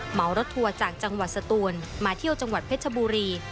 เหมารถทัวร์จากจังหวัดสตูนมาเที่ยวจังหวัดเพชรบุรี